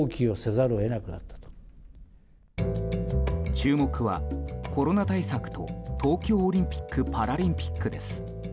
注目は、コロナ対策と東京オリンピック・パラリンピックです。